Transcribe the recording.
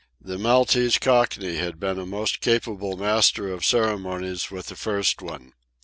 The Maltese Cockney had been a most capable master of ceremonies with the first one.